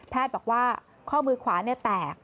แพทย์บอกว่าข้อมือขวานี่แตก